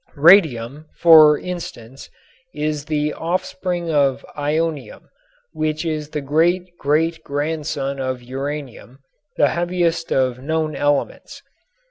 Radium, for instance, is the offspring of ionium, which is the great great grandson of uranium, the heaviest of known elements.